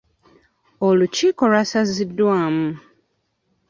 Olukiiko lwasaziddwamu.